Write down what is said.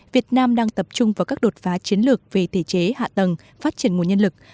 việt nam đang tập trung vào các đột phá chiến lược về thể chế hạ tầng phát triển nguồn nhân lực